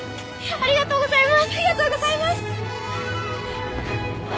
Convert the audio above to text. ありがとうございます！